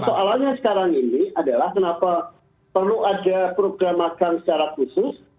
soalnya sekarang ini adalah kenapa perlu ada programakan secara khusus